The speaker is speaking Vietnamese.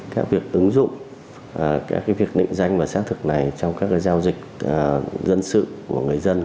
các việc ứng dụng các việc định danh và xác thực này trong các giao dịch dân sự của người dân